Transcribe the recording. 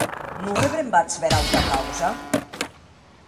Non rebrembatz bèra auta causa?